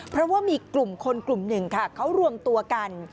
เพราะว่ามีกลุ่มคนกลุ่มหนึ่งค่ะเขารวมตัวกัน